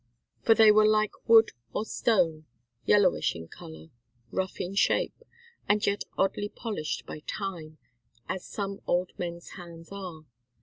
For they were like wood or stone, yellowish in colour, rough in shape, and yet oddly polished by time, as some old men's hands are.